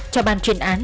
cho ban truyền án